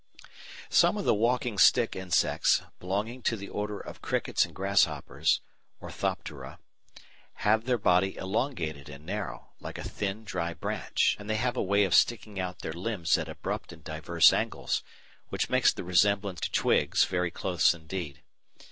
Some of the walking stick insects, belonging to the order of crickets and grasshoppers (Orthoptera), have their body elongated and narrow, like a thin dry branch, and they have a way of sticking out their limbs at abrupt and diverse angles, which makes the resemblance to twigs very close indeed.